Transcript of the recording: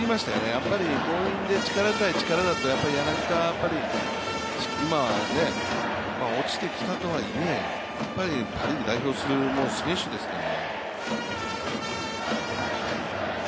やっぱり強引で力対力だと、柳田は落ちてきたとは言え、パ・リーグ代表する選手ですから。